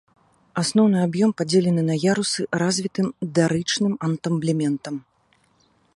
Асноўны аб'ём падзелены на ярусы развітым дарычным антаблементам.